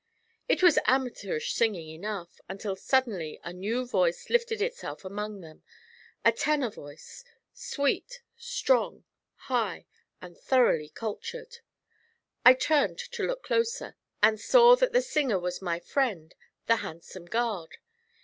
It was amateurish singing enough, until suddenly a new voice lifted itself among them a tenor voice sweet, strong, high, and thoroughly cultured. I turned to look closer, and saw that the singer was my friend, the handsome guard.